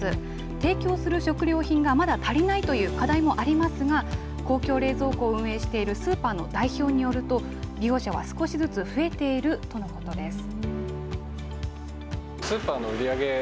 提供する食料品がまだ足りないという課題もありますが、公共冷蔵庫を運営しているスーパーの代表によると、利用者は少しずつ増えているとのことです。